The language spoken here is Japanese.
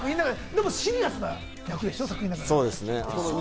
でもシリアスな役でしょ？坂口さん。